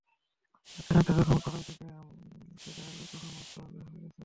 নাড়তে নাড়তে যখন কড়াই থেকে ছেড়ে আসবে তখন বুঝতে হবে হয়ে গেছে।